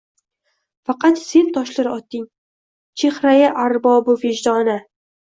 Faqat sen toshlar otding chehrai-arbobi-vijdona